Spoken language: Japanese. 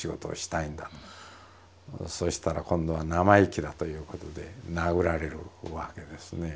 そしたら今度は生意気だということで殴られるわけですね。